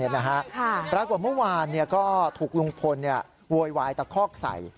แล้วกว่าเมื่อวานก็ถูกลงพลโวยวายตะคอกใส่